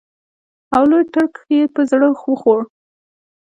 او لوی تړک یې په زړه وخوړ.